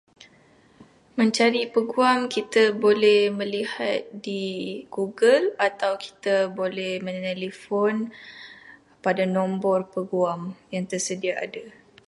Mencari peguam, kita boleh melihat di Google atau kita boleh menelefon pada nombor yang tersedia ada.